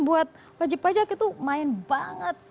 buat wajib pajak itu main banget